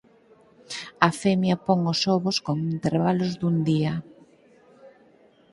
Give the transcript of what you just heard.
A femia pon os ovos con intervalos dun día.